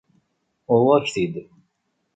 Uɣeɣ-ak-t-id.